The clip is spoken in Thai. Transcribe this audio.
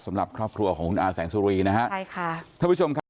สำหรับครอบครัวของคุณอาแสงสุรีนะฮะใช่ค่ะท่านผู้ชมครับ